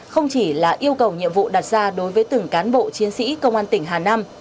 không chỉ là yêu cầu nhiệm vụ đặt ra đối với từng cán bộ chiến sĩ công an tỉnh hà nam